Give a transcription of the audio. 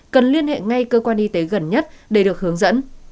cần liên hệ ngay cơ quan y tế gần nhất để được hướng dẫn